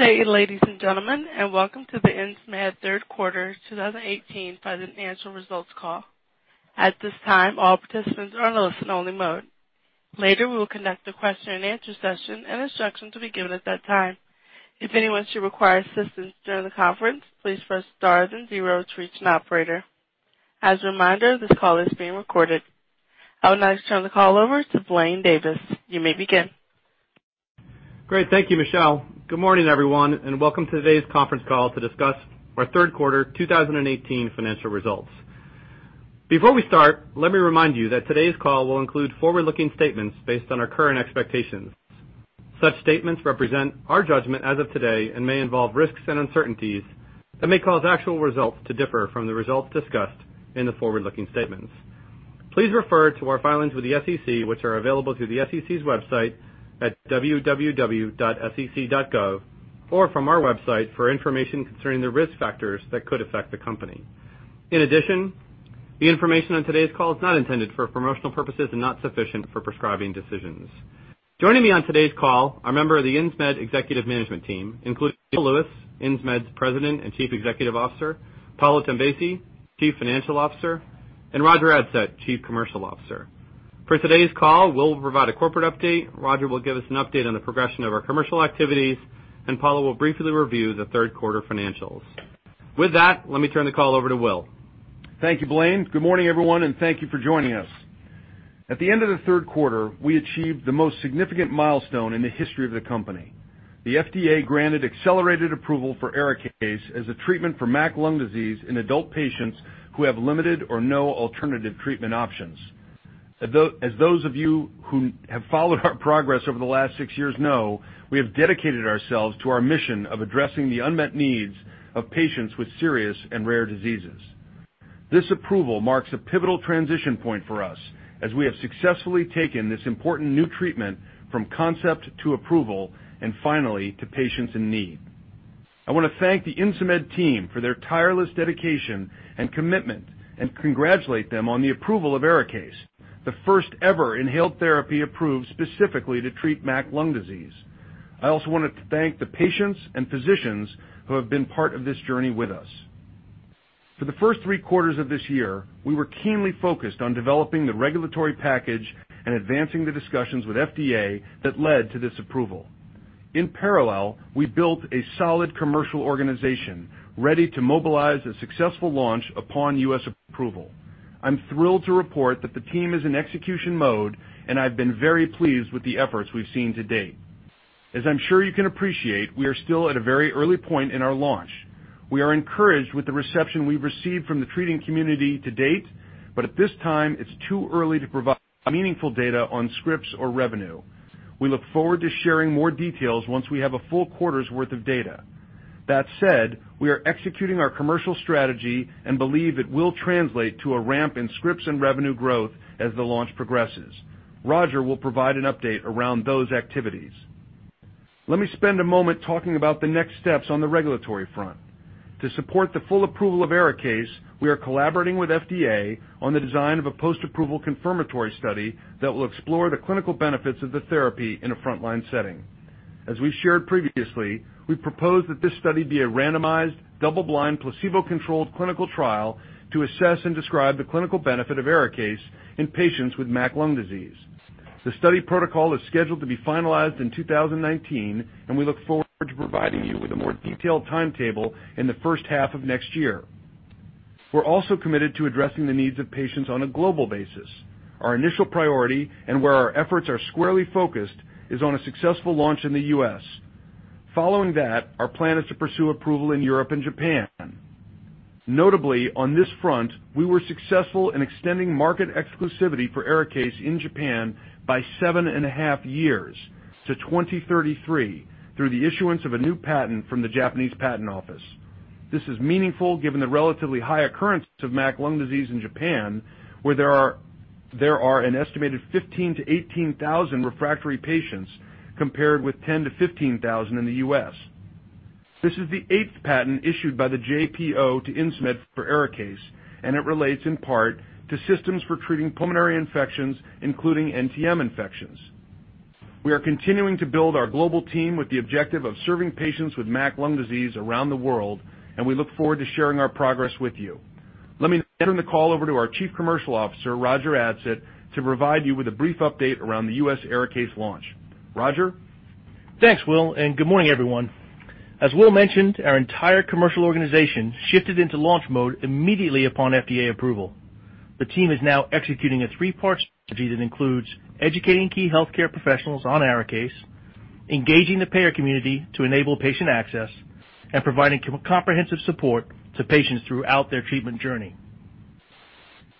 Good day, ladies and gentlemen, and welcome to the Insmed third quarter 2018 financial results call. At this time, all participants are in listen only mode. Later, we will conduct a question and answer session and instructions will be given at that time. If anyone should require assistance during the conference, please press star then zero to reach an operator. As a reminder, this call is being recorded. I would now like to turn the call over to Blaine Davis. You may begin. Great. Thank you, Michelle. Good morning, everyone, and welcome to today's conference call to discuss our third quarter 2018 financial results. Before we start, let me remind you that today's call will include forward-looking statements based on our current expectations. Such statements represent judgment as of today and may involve risks and uncertainties that may cause actual results to differ from the results discussed in the forward-looking statements. Please refer to our filings with the SEC, which are available through the SEC's website at www.sec.gov or from our website for information concerning the risk factors that could affect the company. In addition, the information on today's call is not intended for promotional purposes and not sufficient for prescribing decisions. Joining me on today's call are members of the Insmed executive management team, including Will Lewis, Insmed's President and Chief Executive Officer, Paolo Tombesi, Chief Financial Officer, and Roger Adsett, Chief Commercial Officer. For today's call, we'll provide a corporate update. Roger will give us an update on the progression of our commercial activities, and Paolo will briefly review the third quarter financials. With that, let me turn the call over to Will. Thank you, Blaine. Good morning, everyone, and thank you for joining us. At the end of the third quarter, we achieved the most significant milestone in the history of the company. The FDA granted accelerated approval for ARIKAYCE as a treatment for MAC lung disease in adult patients who have limited or no alternative treatment options. As those of you who have followed our progress over the last six years know, we have dedicated ourselves to our mission of addressing the unmet needs of patients with serious and rare diseases. This approval marks a pivotal transition point for us as we have successfully taken this important new treatment from concept to approval and finally to patients in need. I want to thank the Insmed team for their tireless dedication and commitment and congratulate them on the approval of ARIKAYCE, the first ever inhaled therapy approved specifically to treat MAC lung disease. I also wanted to thank the patients and physicians who have been part of this journey with us. For the first three quarters of this year, we were keenly focused on developing the regulatory package and advancing the discussions with FDA that led to this approval. In parallel, we built a solid commercial organization ready to mobilize a successful launch upon U.S. approval. I'm thrilled to report that the team is in execution mode, and I've been very pleased with the efforts we've seen to date. As I'm sure you can appreciate, we are still at a very early point in our launch. We are encouraged with the reception we've received from the treating community to date, but at this time, it's too early to provide meaningful data on scripts or revenue. We look forward to sharing more details once we have a full quarter's worth of data. That said, we are executing our commercial strategy and believe it will translate to a ramp in scripts and revenue growth as the launch progresses. Roger will provide an update around those activities. Let me spend a moment talking about the next steps on the regulatory front. To support the full approval of ARIKAYCE, we are collaborating with FDA on the design of a post-approval confirmatory study that will explore the clinical benefits of the therapy in a frontline setting. As we shared previously, we propose that this study be a randomized, double-blind, placebo-controlled clinical trial to assess and describe the clinical benefit of ARIKAYCE in patients with MAC lung disease. The study protocol is scheduled to be finalized in 2019, and we look forward to providing you with a more detailed timetable in the first half of next year. We're also committed to addressing the needs of patients on a global basis. Our initial priority and where our efforts are squarely focused is on a successful launch in the U.S. Following that, our plan is to pursue approval in Europe and Japan. Notably, on this front, we were successful in extending market exclusivity for ARIKAYCE in Japan by seven and a half years to 2033 through the issuance of a new patent from the Japan Patent Office. This is meaningful given the relatively high occurrence of MAC lung disease in Japan, where there are an estimated 15,000-18,000 refractory patients, compared with 10,000-15,000 in the U.S. This is the eighth patent issued by the JPO to Insmed for ARIKAYCE, and it relates in part to systems for treating pulmonary infections, including NTM infections. We are continuing to build our global team with the objective of serving patients with MAC lung disease around the world, and we look forward to sharing our progress with you. Let me now turn the call over to our Chief Commercial Officer, Roger Adsett, to provide you with a brief update around the U.S. ARIKAYCE launch. Roger? Thanks, Will. Good morning, everyone. As Will mentioned, our entire commercial organization shifted into launch mode immediately upon FDA approval. The team is now executing a three-part strategy that includes educating key healthcare professionals on ARIKAYCE, engaging the payer community to enable patient access, and providing comprehensive support to patients throughout their treatment journey.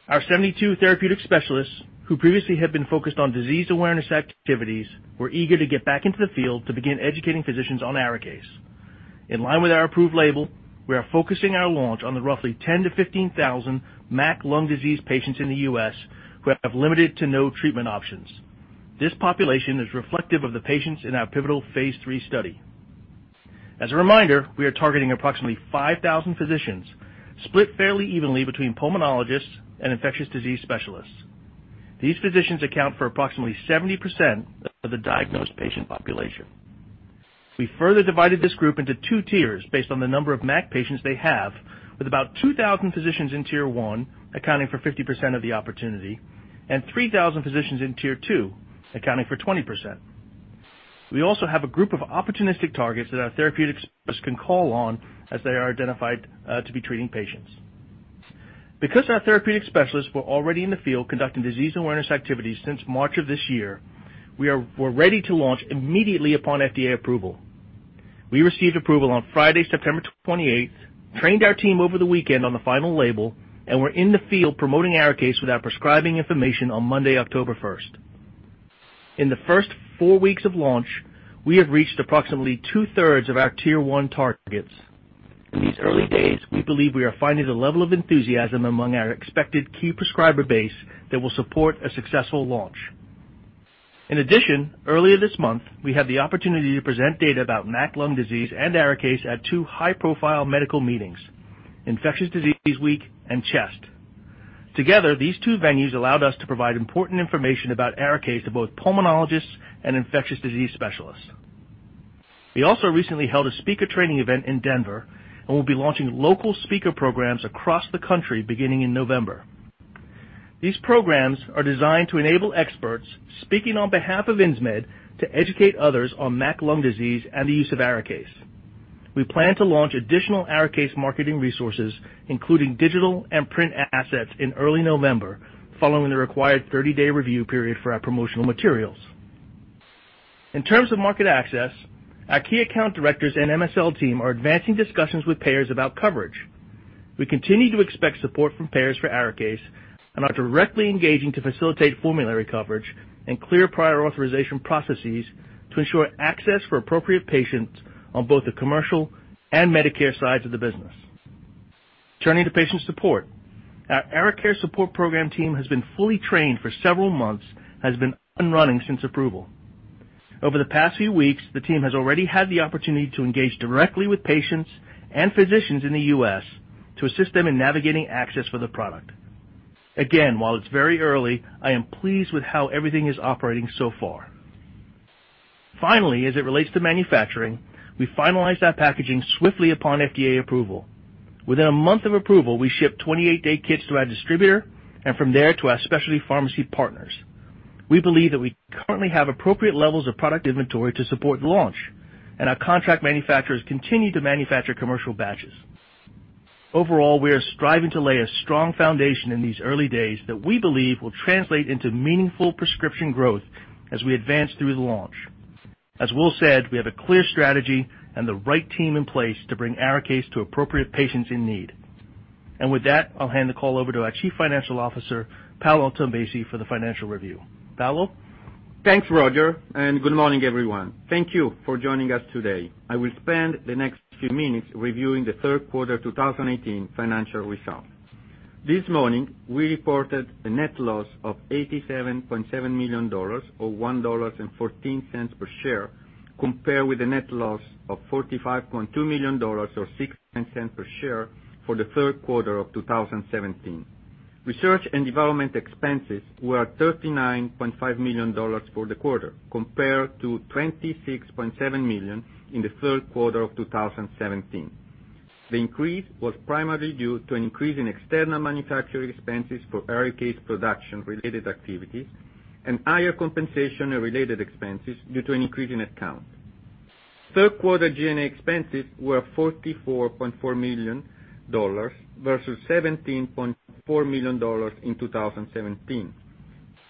Our 72 therapeutic specialists who previously had been focused on disease awareness activities were eager to get back into the field to begin educating physicians on ARIKAYCE. In line with our approved label, we are focusing our launch on the roughly 10,000-15,000 MAC lung disease patients in the U.S. who have limited to no treatment options. This population is reflective of the patients in our pivotal phase III study. As a reminder, we are targeting approximately 5,000 physicians split fairly evenly between pulmonologists and infectious disease specialists. These physicians account for approximately 70% of the diagnosed patient population. We further divided this group into 2 tiers based on the number of MAC patients they have, with about 2,000 physicians in tier 1, accounting for 50% of the opportunity, and 3,000 physicians in tier 2, accounting for 20%. We also have a group of opportunistic targets that our therapeutics can call on as they are identified to be treating patients. Because our therapeutic specialists were already in the field conducting disease awareness activities since March of this year, we were ready to launch immediately upon FDA approval. We received approval on Friday, September 28th, trained our team over the weekend on the final label, and were in the field promoting ARIKAYCE with our prescribing information on Monday, October 1st. In the first 4 weeks of launch, we have reached approximately two-thirds of our tier 1 targets. In these early days, we believe we are finding a level of enthusiasm among our expected key prescriber base that will support a successful launch. In addition, earlier this month, we had the opportunity to present data about MAC lung disease and ARIKAYCE at 2 high-profile medical meetings, IDWeek and CHEST. Together, these 2 venues allowed us to provide important information about ARIKAYCE to both pulmonologists and infectious disease specialists. We also recently held a speaker training event in Denver and will be launching local speaker programs across the country beginning in November. These programs are designed to enable experts, speaking on behalf of Insmed, to educate others on MAC lung disease and the use of ARIKAYCE. We plan to launch additional ARIKAYCE marketing resources, including digital and print assets, in early November, following the required 30-day review period for our promotional materials. In terms of market access, our key account directors and MSL team are advancing discussions with payers about coverage. We continue to expect support from payers for ARIKAYCE and are directly engaging to facilitate formulary coverage and clear prior authorization processes to ensure access for appropriate patients on both the commercial and Medicare sides of the business. Turning to patient support. Our Arikares support program team has been fully trained for several months, has been up and running since approval. Over the past few weeks, the team has already had the opportunity to engage directly with patients and physicians in the U.S. to assist them in navigating access for the product. Again, while it's very early, I am pleased with how everything is operating so far. Finally, as it relates to manufacturing, we finalized our packaging swiftly upon FDA approval. Within a month of approval, we shipped 28-day kits to our distributor and from there to our specialty pharmacy partners. We believe that we currently have appropriate levels of product inventory to support launch, and our contract manufacturers continue to manufacture commercial batches. Overall, we are striving to lay a strong foundation in these early days that we believe will translate into meaningful prescription growth as we advance through the launch. As Will said, we have a clear strategy and the right team in place to bring ARIKAYCE to appropriate patients in need. With that, I will hand the call over to our Chief Financial Officer, Paolo Tombesi, for the financial review. Paolo? Thanks, Roger, good morning, everyone. Thank you for joining us today. I will spend the next few minutes reviewing the third quarter 2018 financial results. This morning, we reported a net loss of $87.7 million or $1.14 per share, compared with a net loss of $45.2 million or $0.69 per share for the third quarter of 2017. Research and development expenses were $39.5 million for the quarter, compared to $26.7 million in the third quarter of 2017. The increase was primarily due to an increase in external manufacturing expenses for ARIKAYCE production-related activities and higher compensation and related expenses due to an increase in headcount. Third quarter G&A expenses were $44.4 million versus $17.4 million in 2017.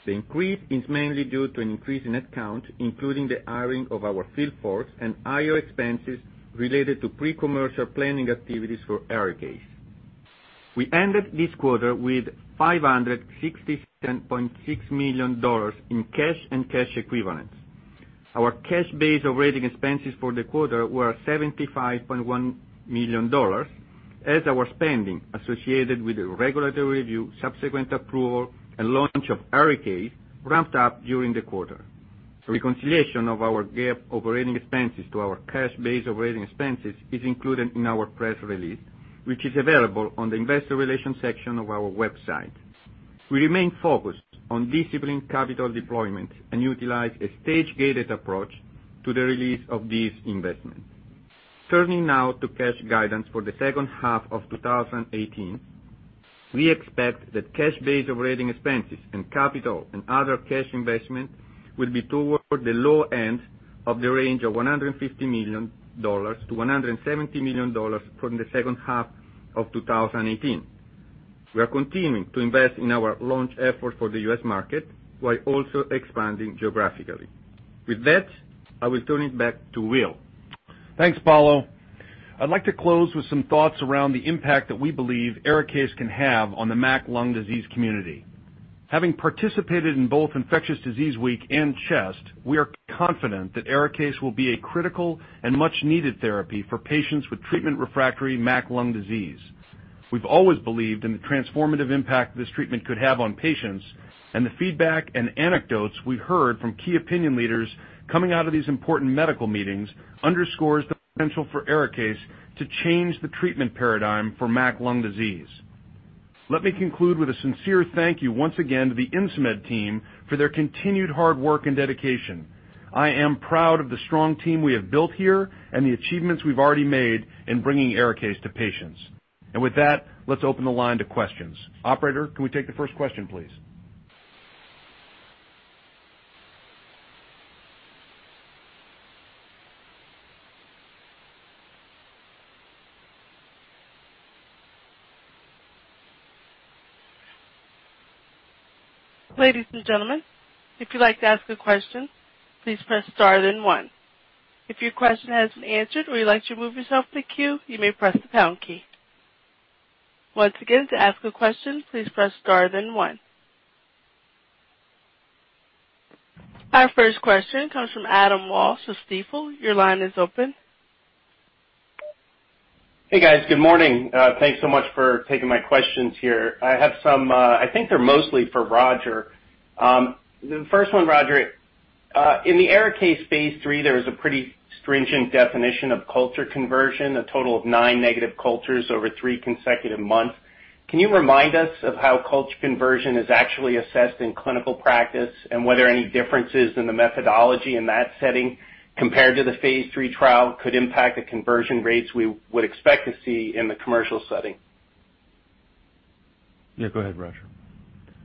The increase is mainly due to an increase in headcount, including the hiring of our field force and higher expenses related to pre-commercial planning activities for ARIKAYCE. We ended this quarter with $567.6 million in cash and cash equivalents. Our cash base operating expenses for the quarter were $75.1 million, as our spending associated with the regulatory review, subsequent approval, and launch of ARIKAYCE ramped up during the quarter. Reconciliation of our GAAP operating expenses to our cash base operating expenses is included in our press release, which is available on the investor relations section of our website. We remain focused on disciplined capital deployment and utilize a stage-gated approach to the release of these investments. Turning now to cash guidance for the second half of 2018. We expect that cash base operating expenses and capital and other cash investments will be toward the low end of the range of $150 million-$170 million from the second half of 2018. We are continuing to invest in our launch effort for the U.S. market while also expanding geographically. With that, I will turn it back to Will. Thanks, Paolo. I'd like to close with some thoughts around the impact that we believe ARIKAYCE can have on the MAC lung disease community. Having participated in both Infectious Disease Week and CHEST, we are confident that ARIKAYCE will be a critical and much-needed therapy for patients with treatment-refractory MAC lung disease. We've always believed in the transformative impact this treatment could have on patients, and the feedback and anecdotes we've heard from key opinion leaders coming out of these important medical meetings underscores the potential for ARIKAYCE to change the treatment paradigm for MAC lung disease. Let me conclude with a sincere thank you once again to the Insmed team for their continued hard work and dedication. I am proud of the strong team we have built here and the achievements we've already made in bringing ARIKAYCE to patients. With that, let's open the line to questions. Operator, can we take the first question, please? Ladies and gentlemen, if you'd like to ask a question, please press star then one. If your question hasn't been answered or you'd like to remove yourself from the queue, you may press the pound key. Once again, to ask a question, please press star then one. Our first question comes from Adam Walsh of Stifel. Your line is open. Hey, guys. Good morning. Thanks so much for taking my questions here. I have some, I think they're mostly for Roger. The first one, Roger. In the ARIKAYCE phase III, there was a pretty stringent definition of culture conversion, a total of nine negative cultures over three consecutive months. Can you remind us of how culture conversion is actually assessed in clinical practice, and whether any differences in the methodology in that setting compared to the phase III trial could impact the conversion rates we would expect to see in the commercial setting? Yeah, go ahead, Roger.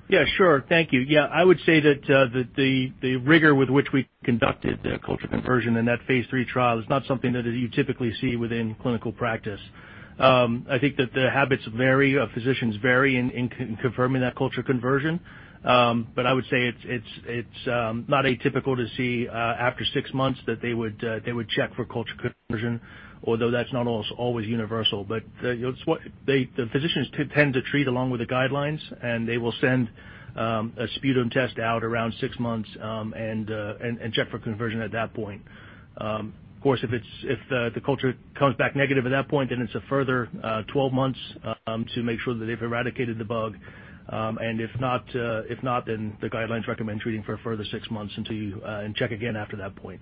Yeah, sure. Thank you. I would say that the rigor with which we conducted the culture conversion in that phase III trial is not something that you typically see within clinical practice. I think that the habits vary, physicians vary in confirming that culture conversion. I would say it's not atypical to see, after six months, that they would check for culture conversion, although that's not always universal. The physicians tend to treat along with the guidelines, and they will send a sputum test out around six months and check for conversion at that point. Of course, if the culture comes back negative at that point, it's a further 12 months to make sure that they've eradicated the bug. If not, the guidelines recommend treating for a further six months and check again after that point.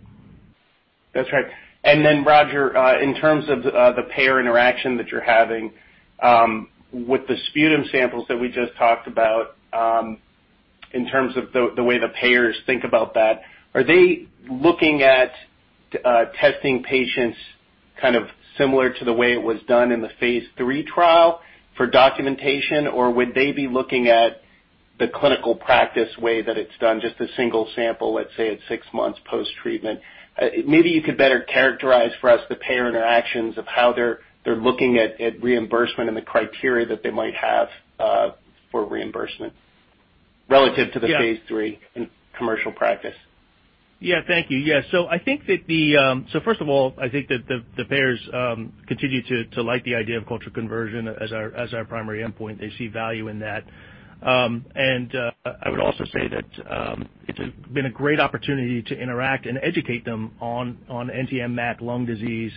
That's right. Roger, in terms of the payer interaction that you're having with the sputum samples that we just talked about, in terms of the way the payers think about that, are they looking at testing patients kind of similar to the way it was done in the phase III trial for documentation, or would they be looking at the clinical practice way that it's done, just a single sample, let's say, at six months post-treatment? Maybe you could better characterize for us the payer interactions of how they're looking at reimbursement and the criteria that they might have for reimbursement relative to the- Yeah Phase III in commercial practice. Yeah. Thank you. Yeah. First of all, I think that the payers continue to like the idea of culture conversion as our primary endpoint. They see value in that. I would also say that it's been a great opportunity to interact and educate them on NTM/MAC lung disease,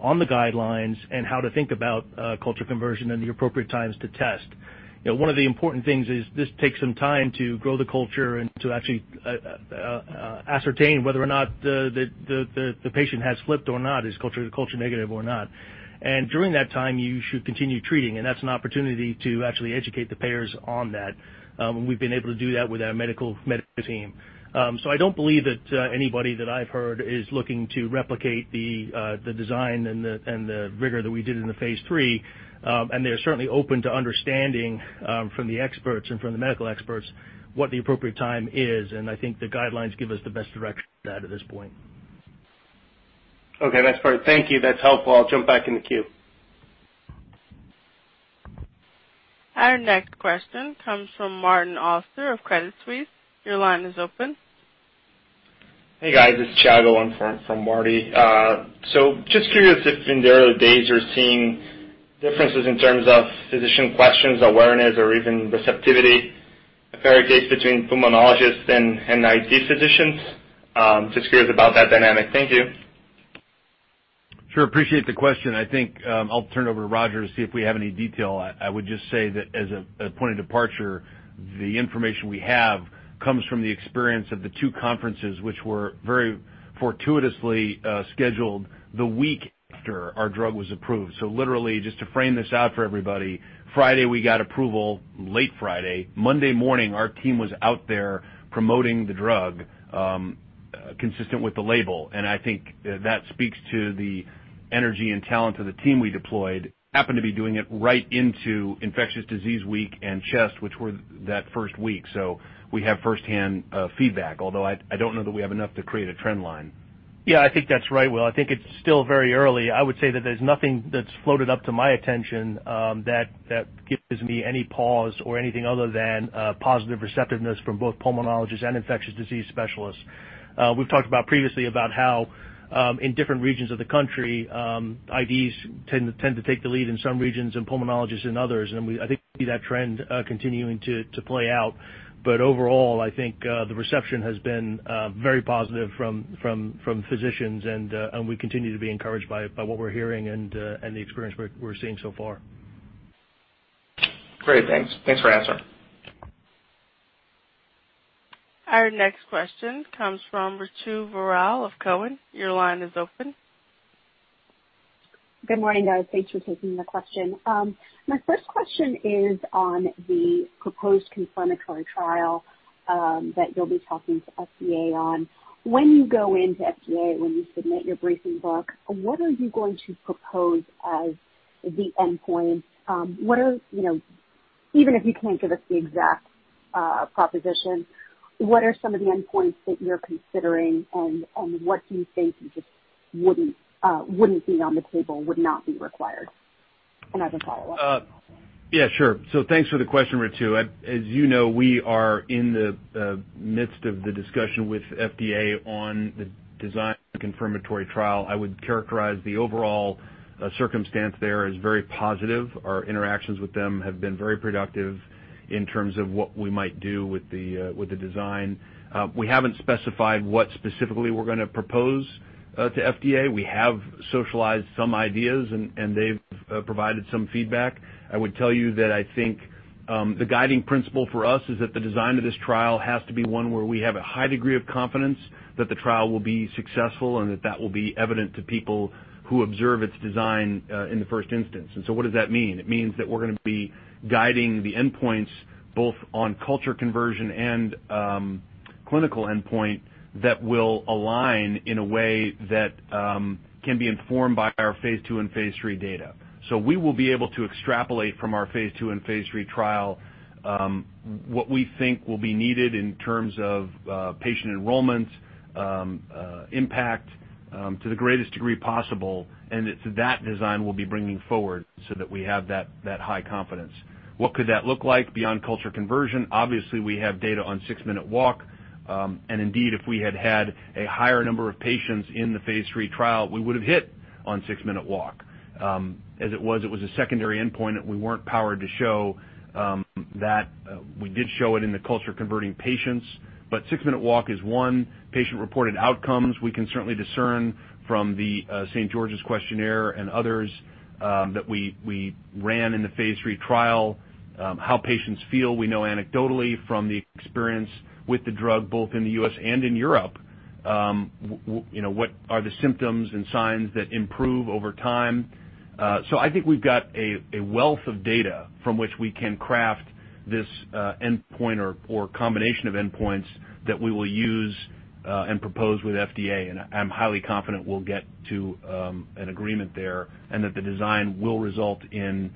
on the guidelines, and how to think about culture conversion and the appropriate times to test. One of the important things is this takes some time to grow the culture and to actually ascertain whether or not the patient has flipped or not, is culture negative or not. During that time, you should continue treating, and that's an opportunity to actually educate the payers on that. We've been able to do that with our medical team. I don't believe that anybody that I've heard is looking to replicate the design and the rigor that we did in the phase III. They're certainly open to understanding from the experts and from the medical experts what the appropriate time is, and I think the guidelines give us the best direction for that at this point. Okay. That's perfect. Thank you. That's helpful. I'll jump back in the queue. Our next question comes from Martin Auster of Credit Suisse. Your line is open. Hey, guys. This is Chad Owen from Baird. Just curious if in the early days you're seeing differences in terms of physician questions, awareness, or even receptivity of ARIKAYCE between pulmonologists and ID physicians. Just curious about that dynamic. Thank you. Sure. Appreciate the question. I think I'll turn it over to Roger to see if we have any detail. I would just say that as a point of departure, the information we have comes from the experience of the two conferences which were very fortuitously scheduled the week after our drug was approved. Literally, just to frame this out for everybody, Friday we got approval, late Friday. Monday morning, our team was out there promoting the drug consistent with the label. I think that speaks to the energy and talent of the team we deployed. Happened to be doing it right into IDWeek and CHEST, which were that first week. We have first-hand feedback, although I don't know that we have enough to create a trend line. Yeah, I think that's right, Will. I think it's still very early. I would say that there's nothing that's floated up to my attention that gives me any pause or anything other than positive receptiveness from both pulmonologists and infectious disease specialists. We've talked about previously about how in different regions of the country, IDs tend to take the lead in some regions and pulmonologists in others. I think we see that trend continuing to play out. Overall, I think the reception has been very positive from physicians. We continue to be encouraged by what we're hearing and the experience we're seeing so far. Great. Thanks. Thanks for answering. Our next question comes from Ritu Baral of Cowen. Your line is open. Good morning, guys. Thanks for taking the question. My first question is on the proposed confirmatory trial that you'll be talking to FDA on. When you go into FDA, when you submit your briefing book, what are you going to propose as the endpoint? Even if you can't give us the exact proposition, what are some of the endpoints that you're considering, and what do you think just wouldn't be on the table, would not be required? I have a follow-up. Yeah, sure. Thanks for the question, Ritu. As you know, we are in the midst of the discussion with FDA on the design confirmatory trial. I would characterize the overall circumstance there as very positive. Our interactions with them have been very productive in terms of what we might do with the design. We haven't specified what specifically we're going to propose to FDA. We have socialized some ideas, and they've provided some feedback. I would tell you that I think, the guiding principle for us is that the design of this trial has to be one where we have a high degree of confidence that the trial will be successful and that that will be evident to people who observe its design in the first instance. What does that mean? It means that we're going to be guiding the endpoints both on culture conversion and clinical endpoint that will align in a way that can be informed by our phase II and phase III data. We will be able to extrapolate from our phase II and phase III trial, what we think will be needed in terms of patient enrollment, impact, to the greatest degree possible. It's that design we'll be bringing forward so that we have that high confidence. What could that look like beyond culture conversion? Obviously, we have data on six-minute walk. Indeed, if we had had a higher number of patients in the phase III trial, we would've hit on six-minute walk. As it was, it was a secondary endpoint that we weren't powered to show that we did show it in the culture-converting patients. Six-minute walk is one patient-reported outcome. We can certainly discern from the St. George's Respiratory Questionnaire and others that we ran in the phase III trial how patients feel. We know anecdotally from the experience with the drug both in the U.S. and in Europe what are the symptoms and signs that improve over time. I think we've got a wealth of data from which we can craft this endpoint or combination of endpoints that we will use and propose with FDA. I'm highly confident we'll get to an agreement there and that the design will result in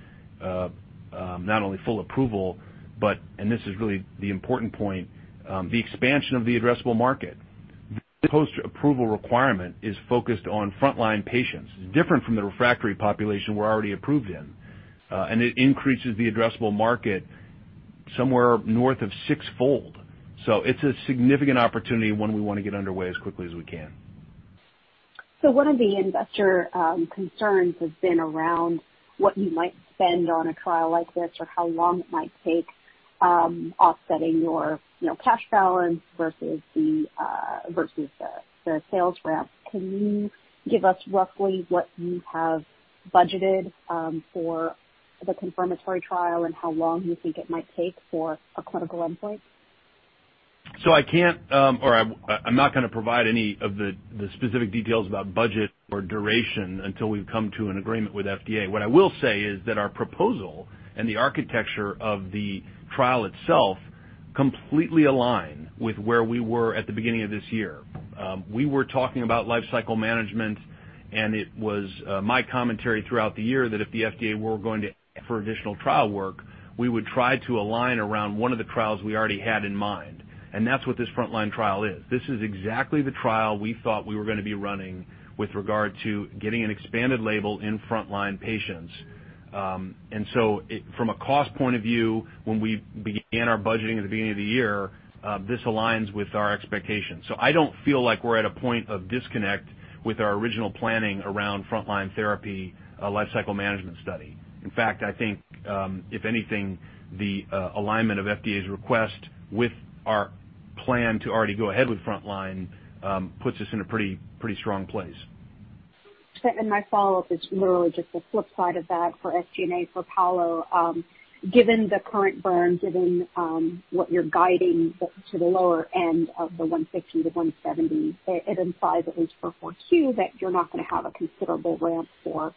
not only full approval but, and this is really the important point, the expansion of the addressable market. The post-approval requirement is focused on frontline patients, different from the refractory population we're already approved in. It increases the addressable market somewhere north of sixfold. It's a significant opportunity, one we want to get underway as quickly as we can. One of the investor concerns has been around what you might spend on a trial like this or how long it might take offsetting your cash balance versus the sales rep. Can you give us roughly what you have budgeted for the confirmatory trial and how long you think it might take for a clinical endpoint? I can't, or I'm not going to provide any of the specific details about budget or duration until we've come to an agreement with FDA. What I will say is that our proposal and the architecture of the trial itself completely align with where we were at the beginning of this year. We were talking about life cycle management, and it was my commentary throughout the year that if the FDA were going to ask for additional trial work, we would try to align around one of the trials we already had in mind. That's what this frontline trial is. This is exactly the trial we thought we were going to be running with regard to getting an expanded label in frontline patients. From a cost point of view, when we began our budgeting at the beginning of the year, this aligns with our expectations. I don't feel like we're at a point of disconnect with our original planning around frontline therapy life cycle management study. In fact, I think, if anything, the alignment of FDA's request with our plan to already go ahead with frontline, puts us in a pretty strong place. My follow-up is literally just the flip side of that for SG&A for Paolo. Given the current burn, given what you're guiding to the lower end of the $150-$170, it implies at least for Q4 that you're not going to have a considerable ramp for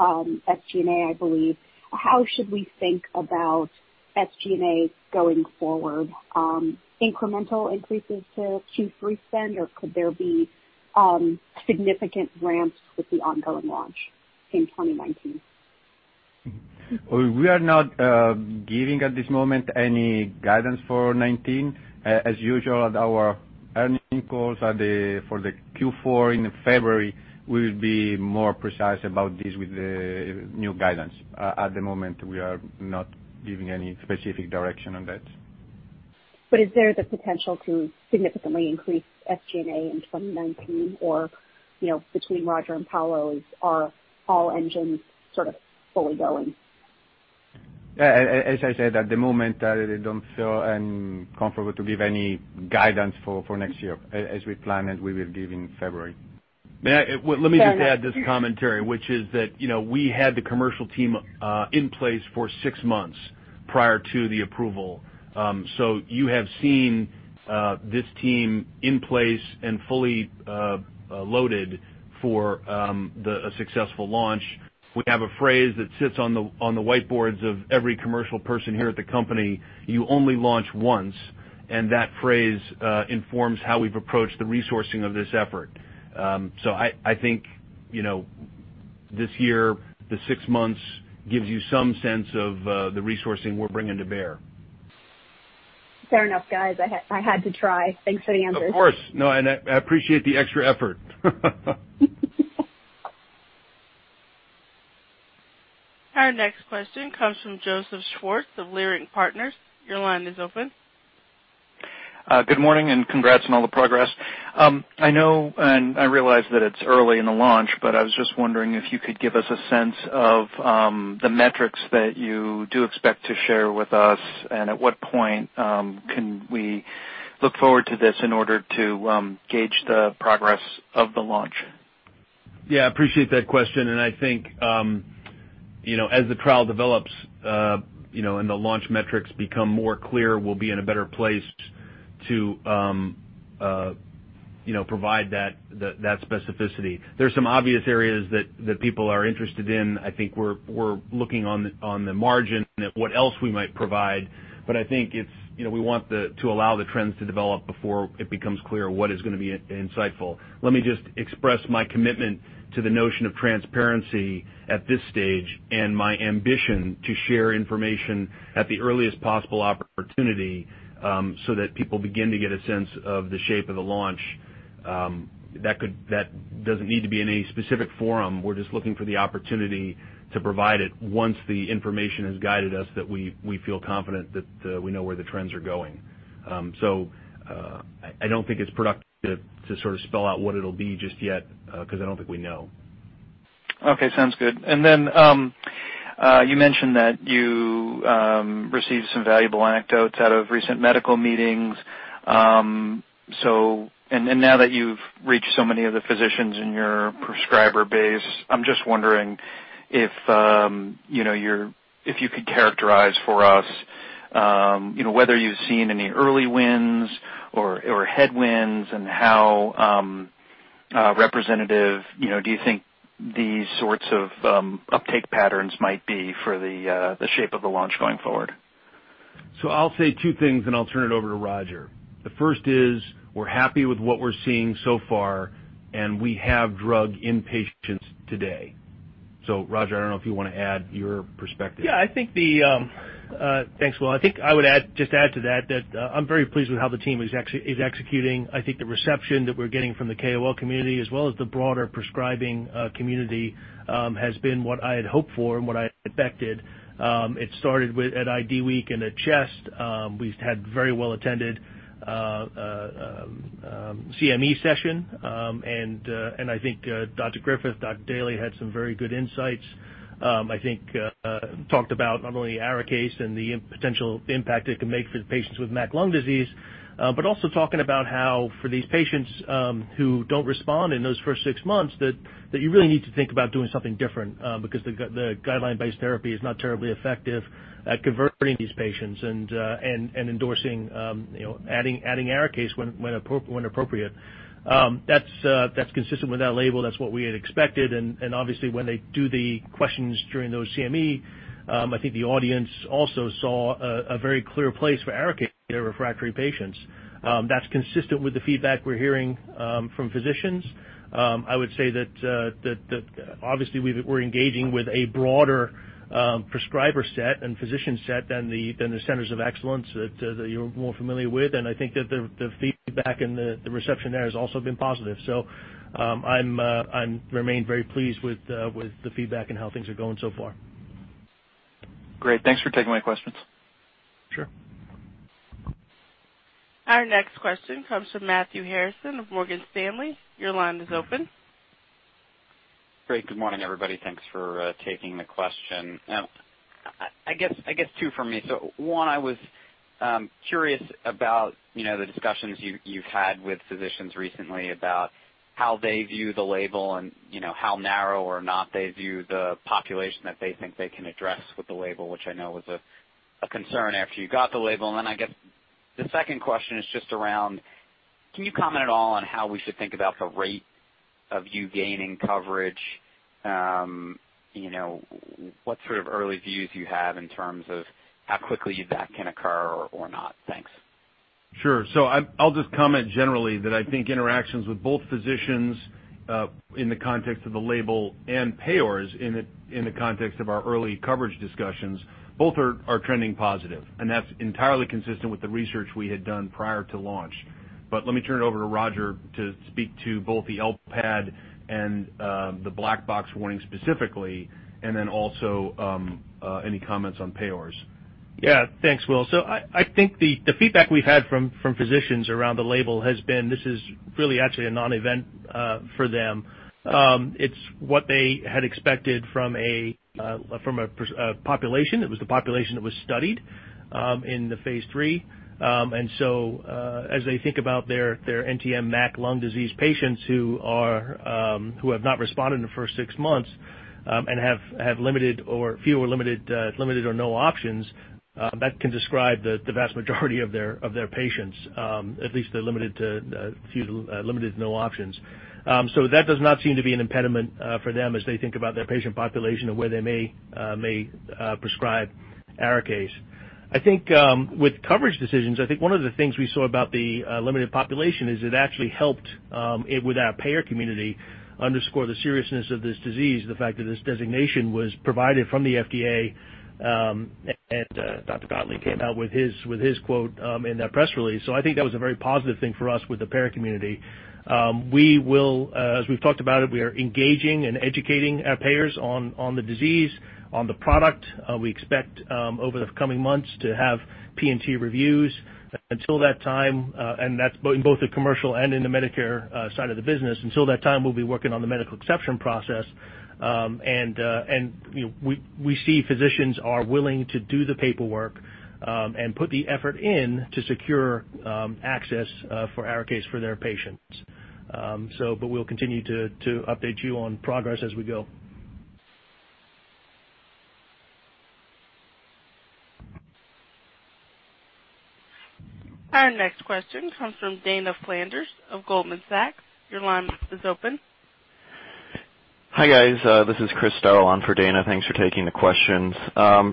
SG&A, I believe. How should we think about SG&A going forward? Incremental increases to Q3 spend or could there be significant ramps with the ongoing launch in 2019? We are not giving at this moment any guidance for 2019. As usual, at our earning calls for the Q4 in February, we'll be more precise about this with the new guidance. At the moment, we are not giving any specific direction on that. Is there the potential to significantly increase SG&A in 2019 or between Roger and Paolo, are all engines sort of fully going? As I said, at the moment, I really don't feel I'm comfortable to give any guidance for next year. As we plan it, we will give in February. May I? Well, let me just add this commentary, which is that we had the commercial team in place for six months prior to the approval. You have seen this team in place and fully loaded for a successful launch. We have a phrase that sits on the whiteboards of every commercial person here at the company, "You only launch once," and that phrase informs how we've approached the resourcing of this effort. I think this year, the six months gives you some sense of the resourcing we're bringing to bear. Fair enough, guys. I had to try. Thanks for the answers. Of course. No, I appreciate the extra effort. Our next question comes from Joseph Schwartz of Leerink Partners. Your line is open. Good morning, and congrats on all the progress. I know I realize that it's early in the launch, I was just wondering if you could give us a sense of the metrics that you do expect to share with us, and at what point can we look forward to this in order to gauge the progress of the launch? Yeah, appreciate that question. I think as the trial develops, and the launch metrics become more clear, we'll be in a better place to provide that specificity. There's some obvious areas that people are interested in. I think we're looking on the margin and at what else we might provide, I think we want to allow the trends to develop before it becomes clear what is going to be insightful. Let me just express my commitment to the notion of transparency at this stage and my ambition to share information at the earliest possible opportunity so that people begin to get a sense of the shape of the launch. That doesn't need to be in any specific forum. We're just looking for the opportunity to provide it once the information has guided us that we feel confident that we know where the trends are going. I don't think it's productive to sort of spell out what it'll be just yet because I don't think we know. Okay, sounds good. You mentioned that you received some valuable anecdotes out of recent medical meetings. Now that you've reached so many of the physicians in your prescriber base, I'm just wondering if you could characterize for us whether you've seen any early wins or headwinds and how representative do you think these sorts of uptake patterns might be for the shape of the launch going forward? I'll say two things, and I'll turn it over to Roger. The first is we're happy with what we're seeing so far, and we have drug in patients today. Roger, I don't know if you want to add your perspective. Yeah. Thanks, Will. I think I would just add to that I'm very pleased with how the team is executing. I think the reception that we're getting from the KOL community as well as the broader prescribing community has been what I had hoped for and what I had expected. It started at IDWeek and at CHEST. We had very well-attended CME session, and I think Dr. Griffith, Dr. Daley had some very good insights. I think talked about not only ARIKAYCE and the potential impact it can make for the patients with MAC lung disease, but also talking about how for these patients who don't respond in those first six months, that you really need to think about doing something different because the guideline-based therapy is not terribly effective at converting these patients and endorsing adding ARIKAYCE when appropriate. That's consistent with that label. That's what we had expected, obviously when they do the questions during those CME, I think the audience also saw a very clear place for ARIKAYCE in refractory patients. That's consistent with the feedback we're hearing from physicians. I would say that obviously we're engaging with a broader prescriber set and physician set than the centers of excellence that you're more familiar with, I think that the feedback and the reception there has also been positive. I remain very pleased with the feedback and how things are going so far. Great. Thanks for taking my questions. Sure. Our next question comes from Matthew Harrison of Morgan Stanley. Your line is open. Great. Good morning, everybody. Thanks for taking the question. One, I was curious about the discussions you've had with physicians recently about how they view the label and how narrow or not they view the population that they think they can address with the label, which I know was a concern after you got the label. I guess the second question is just around, can you comment at all on how we should think about the rate of you gaining coverage? What sort of early views you have in terms of how quickly that can occur or not? Thanks. Sure. I'll just comment generally that I think interactions with both physicians, in the context of the label, and payers, in the context of our early coverage discussions, both are trending positive, and that's entirely consistent with the research we had done prior to launch. Let me turn it over to Roger to speak to both the LPAD and the black box warning specifically, and also any comments on payers. Yeah. Thanks, Will. I think the feedback we've had from physicians around the label has been, this is really actually a non-event for them. It's what they had expected from a population. It was the population that was studied in the phase III. As they think about their NTM/MAC lung disease patients who have not responded in the first six months, and have limited or no options, that can describe the vast majority of their patients, at least they're limited to no options. That does not seem to be an impediment for them as they think about their patient population and where they may prescribe ARIKAYCE. I think with coverage decisions, I think one of the things we saw about the limited population is it actually helped it with our payer community underscore the seriousness of this disease, the fact that this designation was provided from the FDA, and Scott Gottlieb came out with his quote in that press release. I think that was a very positive thing for us with the payer community. As we've talked about it, we are engaging and educating our payers on the disease, on the product. We expect, over the coming months, to have P&T reviews. Until that time, and that's in both the commercial and in the Medicare side of the business. Until that time, we'll be working on the medical exception process. We see physicians are willing to do the paperwork, and put the effort in to secure access for ARIKAYCE for their patients. We'll continue to update you on progress as we go. Our next question comes from Dana Flanders of Goldman Sachs. Your line is open. Hi, guys. This is Chris Starr on for Dana. Thanks for taking the questions.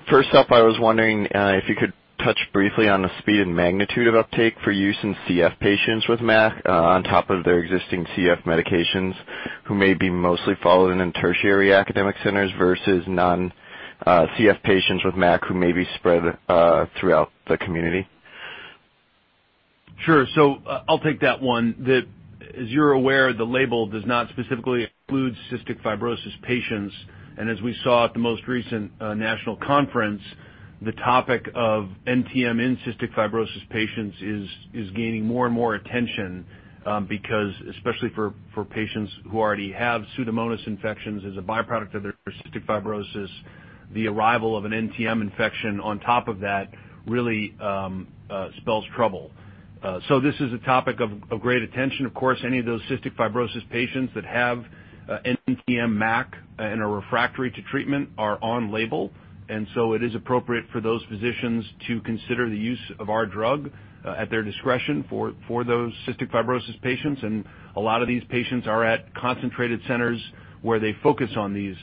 First up, I was wondering if you could touch briefly on the speed and magnitude of uptake for use in CF patients with MAC on top of their existing CF medications, who may be mostly followed in tertiary academic centers versus non-CF patients with MAC who may be spread throughout the community. Sure. I'll take that one. As you're aware, the label does not specifically include cystic fibrosis patients. As we saw at the most recent national conference, the topic of NTM in cystic fibrosis patients is gaining more and more attention, because especially for patients who already have Pseudomonas infections as a byproduct of their cystic fibrosis, the arrival of an NTM infection on top of that really spells trouble. This is a topic of great attention. Of course, any of those cystic fibrosis patients that have NTM MAC and are refractory to treatment are on label, it is appropriate for those physicians to consider the use of our drug at their discretion for those cystic fibrosis patients. A lot of these patients are at concentrated centers where they focus on these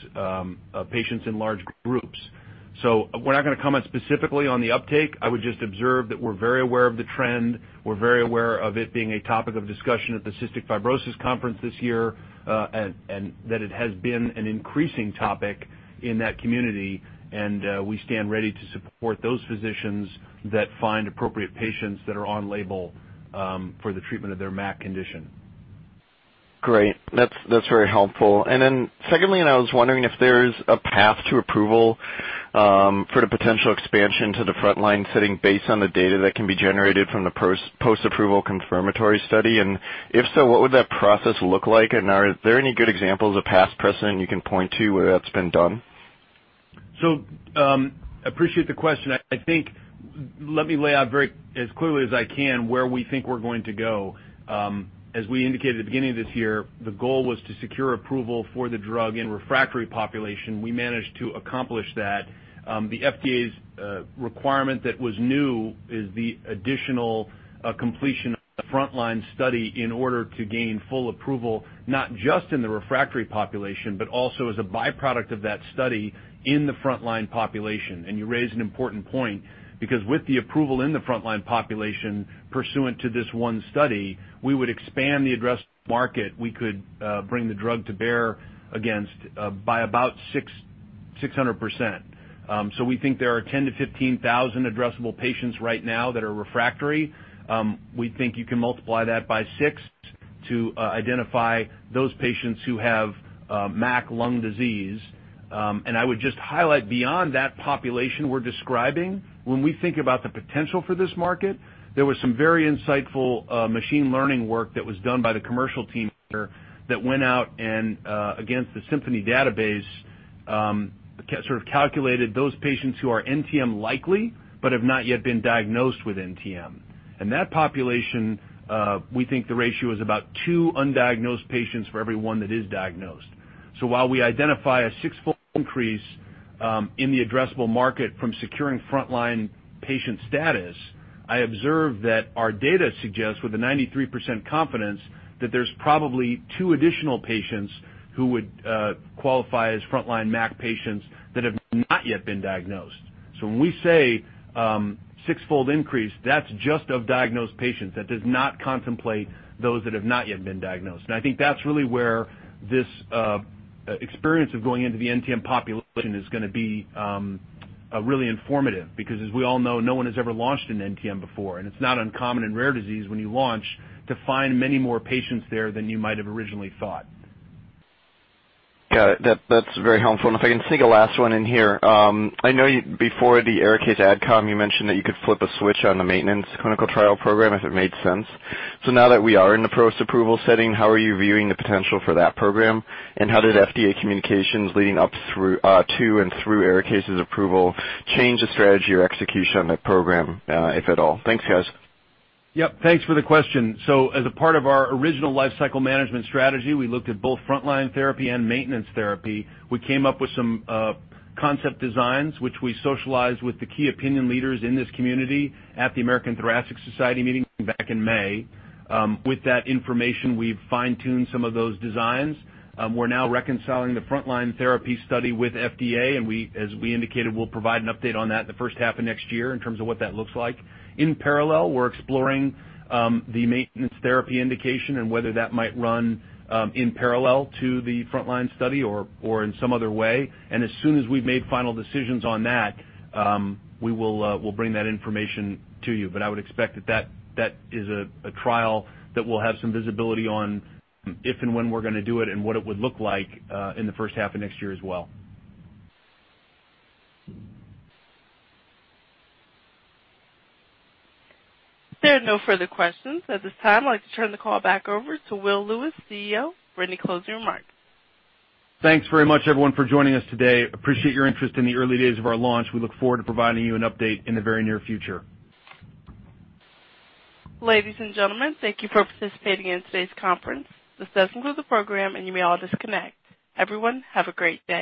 patients in large groups. We're not going to comment specifically on the uptake. I would just observe that we're very aware of the trend, we're very aware of it being a topic of discussion at the Cystic Fibrosis Conference this year, and that it has been an increasing topic in that community, and we stand ready to support those physicians that find appropriate patients that are on label for the treatment of their MAC condition. Great. That's very helpful. Secondly, I was wondering if there's a path to approval for the potential expansion to the frontline setting based on the data that can be generated from the post-approval confirmatory study. If so, what would that process look like? Are there any good examples of past precedent you can point to where that's been done? Appreciate the question. I think, let me lay out as clearly as I can where we think we're going to go. As we indicated at the beginning of this year, the goal was to secure approval for the drug in refractory population. We managed to accomplish that. The FDA's requirement that was new is the additional completion of the frontline study in order to gain full approval, not just in the refractory population, but also as a byproduct of that study in the frontline population. You raise an important point, because with the approval in the frontline population pursuant to this one study, we would expand the addressed market. We could bring the drug to bear against by about 600%. We think there are 10,000 to 15,000 addressable patients right now that are refractory. We think you can multiply that by six to identify those patients who have MAC lung disease. I would just highlight beyond that population we're describing, when we think about the potential for this market, there was some very insightful machine learning work that was done by the commercial team that went out and, against the Symphony database, sort of calculated those patients who are NTM likely but have not yet been diagnosed with NTM. In that population, we think the ratio is about two undiagnosed patients for every one that is diagnosed. While we identify a sixfold increase in the addressable market from securing frontline patient status, I observe that our data suggests, with a 93% confidence, that there's probably two additional patients who would qualify as frontline MAC patients that have not yet been diagnosed. When we say sixfold increase, that's just of diagnosed patients. That does not contemplate those that have not yet been diagnosed. I think that's really where this experience of going into the NTM population is going to be really informative, because as we all know, no one has ever launched an NTM before. It's not uncommon in rare disease when you launch to find many more patients there than you might have originally thought. Got it. That's very helpful. If I can sneak a last one in here. I know before the ARIKAYCE ad com, you mentioned that you could flip a switch on the maintenance clinical trial program if it made sense. Now that we are in the post-approval setting, how are you viewing the potential for that program, and how did FDA communications leading up to and through ARIKAYCE's approval change the strategy or execution on that program, if at all? Thanks, guys. Yep. Thanks for the question. As a part of our original lifecycle management strategy, we looked at both frontline therapy and maintenance therapy. We came up with some concept designs, which we socialized with the key opinion leaders in this community at the American Thoracic Society meeting back in May. With that information, we've fine-tuned some of those designs. We're now reconciling the frontline therapy study with FDA, and as we indicated, we'll provide an update on that in the first half of next year in terms of what that looks like. In parallel, we're exploring the maintenance therapy indication and whether that might run in parallel to the frontline study or in some other way. As soon as we've made final decisions on that, we'll bring that information to you. I would expect that that is a trial that we'll have some visibility on if and when we're going to do it and what it would look like in the first half of next year as well. There are no further questions at this time. I'd like to turn the call back over to Will Lewis, CEO, for any closing remarks. Thanks very much, everyone, for joining us today. Appreciate your interest in the early days of our launch. We look forward to providing you an update in the very near future. Ladies and gentlemen, thank you for participating in today's conference. This does conclude the program, and you may all disconnect. Everyone, have a great day.